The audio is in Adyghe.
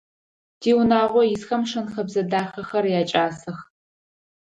Тиунагъо исхэм шэн-хэбзэ дахэхэр якӀасэх.